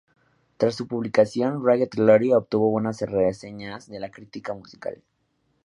Tras su publicación, "Ragged Glory" obtuvo buenas reseñas de la crítica musical.